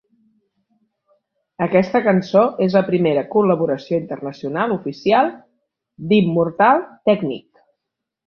Aquesta cançó és la primera col·laboració internacional oficial d'Immortal Technique.